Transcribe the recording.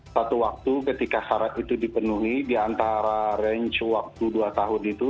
suatu waktu ketika syarat itu dipenuhi di antara range waktu dua tahun itu